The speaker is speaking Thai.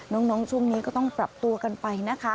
ช่วงนี้ก็ต้องปรับตัวกันไปนะคะ